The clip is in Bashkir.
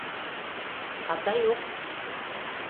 - Хата юҡ!